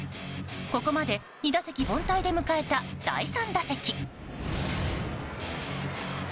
ここまで２打席凡退で迎えた第３打席。